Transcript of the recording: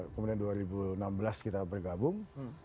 kemudian dua ribu enam belas kita bergabung